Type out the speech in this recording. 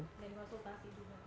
dan konsultasi juga